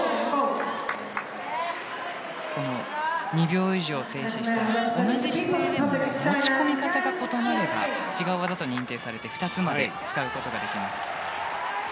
２秒以上静止して同じ姿勢でも持ち込み方が異なれば違う技と認定されて２つまで使うことができます。